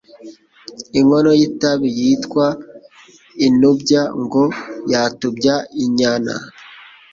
inkono y’itabi yitwa intubya, ngo yatubya inyana